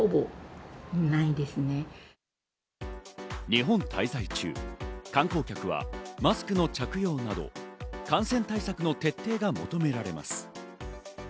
日本滞在中、観光客はマスクの着用など、感染対策の徹底が求められます。